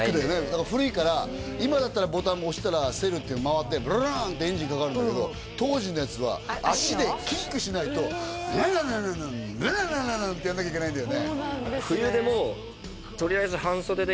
だから古いから今だったらボタン押したらセルっていうのが回ってブルルンってエンジンかかるんだけど当時のやつは足でキックしないとドゥルルルルンドゥルルルルン！ってやんなきゃいけないんだよねそうなんですね寒くない？